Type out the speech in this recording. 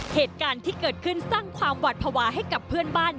เหตุการณ์ที่เกิดขึ้นสร้างความหวัดภาวะให้กับเพื่อนบ้าน